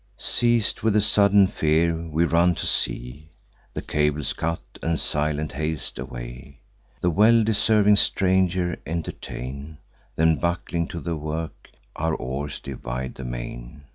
"Seiz'd with a sudden fear, we run to sea, The cables cut, and silent haste away; The well deserving stranger entertain; Then, buckling to the work, our oars divide the main.